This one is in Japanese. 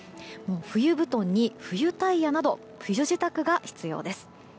冬布団に冬タイヤなど冬支度が必要です。